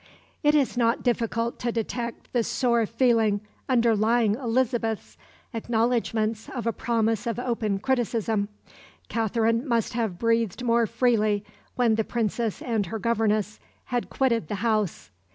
It is not difficult to detect the sore feeling underlying Elizabeth's acknowledgments of a promise of open criticism. Katherine must have breathed more freely when the Princess and her governess had quitted the house.